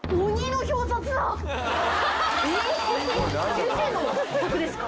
先生のお宅ですか？